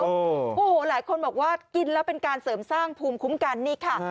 โอ้โหหลายคนบอกว่ากินแล้วเป็นการเสริมสร้างภูมิคุ้มกันนี่ค่ะ